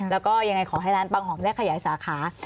แล้วก็ยังไงขอให้ร้านปังหอมได้ขยายสาขา